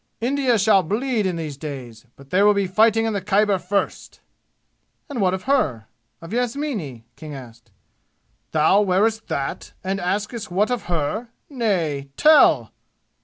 India shall bleed in these days but there will be fighting in the Khyber first!" "And what of her? Of Yasmini?" King asked. "Thou wearest that and askest what of her? Nay tell!"